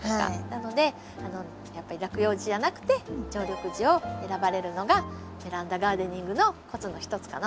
なのでやっぱり落葉樹じゃなくて常緑樹を選ばれるのがベランダガーデニングのコツのひとつかなと思います。